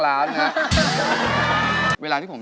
ผมร้องได้ให้ร้อง